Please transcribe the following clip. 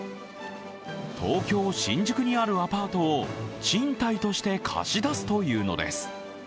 東京・新宿にあるアパートを賃貸として貸し出すというのです。